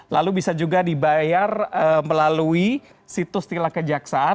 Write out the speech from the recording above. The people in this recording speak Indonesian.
lalu bisa juga dibayar melalui situs tilang kejaksaan